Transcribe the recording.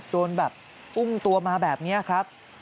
โดนแบบอุ้มตัวมาแบบนี้ครับ